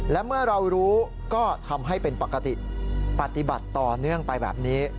และเมื่อเรารู้ก็ทำให้เป็นปกติปฏิบัติต่อเนื่องไปแบบนี้